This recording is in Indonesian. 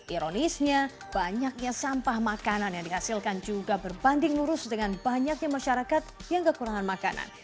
ironisnya banyaknya sampah makanan yang dihasilkan juga berbanding lurus dengan banyaknya masyarakat yang kekurangan makanan